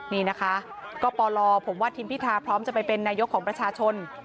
นี่นะคะก็ปลผมว่าทิมพิธาพร้อมจะไปเป็นนายกของประชาชน